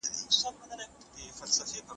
ایا مغول د اسلام په مقدس دین مشرف سول؟